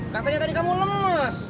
katanya tadi kamu lemes